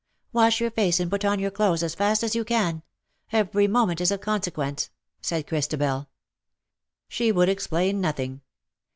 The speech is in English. ^'" Wash your face and put on your clothes as fast as you can. Every moment is of consequence/' said Christabel. She would explain nothing.